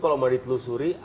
kalau mau ditelusuri